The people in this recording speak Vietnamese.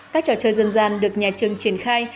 các trò chơi dân gian được nhà trường triển khai